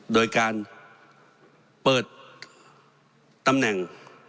โดยการเปิดตำแหน่ง